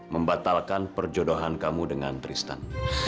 membatalkan perjodohan kamu dengan tristan